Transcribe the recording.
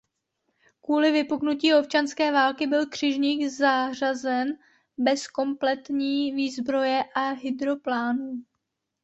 Kvůli vypuknutí občanské války byl křižník zařazen bez kompletní výzbroje a hydroplánů.